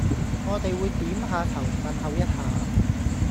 我哋會點吓頭問候一吓